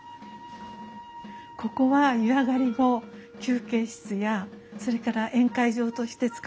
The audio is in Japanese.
ここは湯上がり後休憩室やそれから宴会場として使われていました。